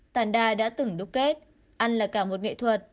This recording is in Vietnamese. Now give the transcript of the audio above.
tàn đa đã từng đúc kết ăn là cả một nghệ thuật